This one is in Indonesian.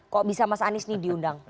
kok bisa mas anies ini diundang